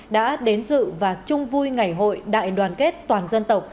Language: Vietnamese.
đã đến dự và chung vui ngày hội đại đoàn kết toàn dân tộc